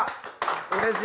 うれしい！